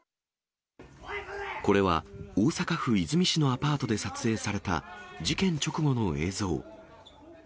これは、大阪府和泉市のアパートで撮影された事件直後の映像。